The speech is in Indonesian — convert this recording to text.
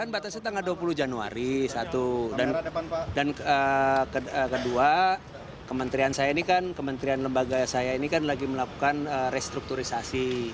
batasnya tanggal dua puluh januari satu dan kedua kementerian saya ini kan kementerian lembaga saya ini kan lagi melakukan restrukturisasi